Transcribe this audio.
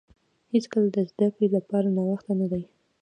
هیڅکله د زده کړې لپاره ناوخته نه دی.